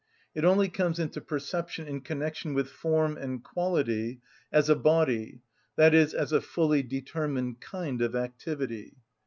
It only comes into perception in connection with form and quality, as a body, i.e., as a fully determined kind of activity.